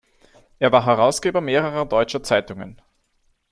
Er war Herausgeber mehrerer deutscher Zeitungen.